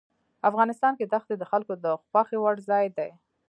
افغانستان کې دښتې د خلکو د خوښې وړ ځای دی.